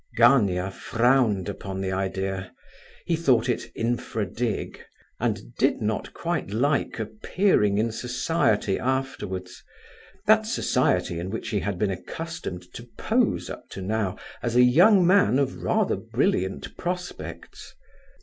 Gania frowned upon the idea. He thought it infra dig, and did not quite like appearing in society afterwards—that society in which he had been accustomed to pose up to now as a young man of rather brilliant prospects.